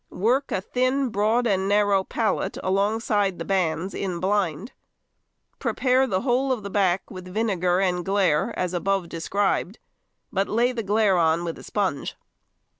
Work a thin broad and narrow pallet alongside the bands in blind. Prepare the whole of the back with vinegar and glaire, as above described, but lay the glaire on with a sponge.